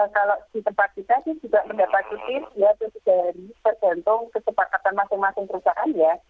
kalau di tempat kita juga mendapat cuti ya itu dari tergantung kesepakatan masing masing perusahaan ya